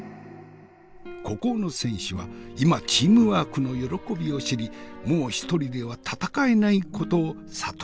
孤高の戦士は今チームワークの喜びを知りもう一人では戦えないことを悟るに至った。